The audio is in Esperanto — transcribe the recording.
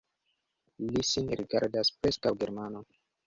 Li sin rigardas preskaŭ Germano.